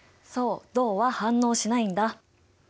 そう銅は反応しないんだ。